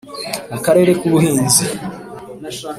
Akarere k Ubuhinzi